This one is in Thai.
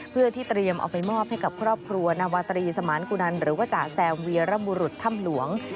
เพื่อที่เตรียมเอาไปมอบให้กับครอบครัวนาวาตรีสมานกุนันหรือว่าจ๋าแซมเวียระบุรุษถ้ำหลวง